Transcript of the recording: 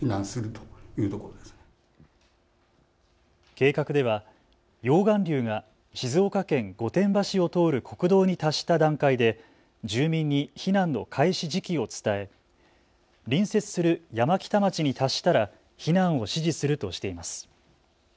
計画では溶岩流が静岡県御殿場市を通る国土に達した段階で住民に避難の開始時期を伝え隣接する山北町に達したら避難を指示するとしています。